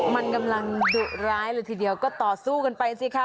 มันกำลังดุร้ายเลยทีเดียวก็ต่อสู้กันไปสิคะ